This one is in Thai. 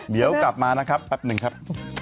เดี๋ยวกลับมานะครับแป๊บหนึ่งครับ